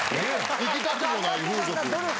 行きたくもない風俗。